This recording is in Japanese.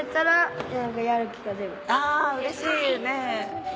あうれしいよね。